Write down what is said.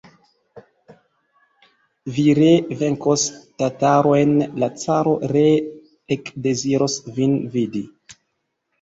Vi ree venkos tatarojn, la caro ree ekdeziros vin vidi.